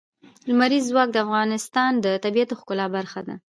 لمریز ځواک د افغانستان د طبیعت د ښکلا برخه ده.